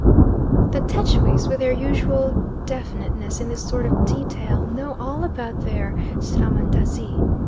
The Tschwis, with their usual definiteness in this sort of detail, know all about their Srahmandazi.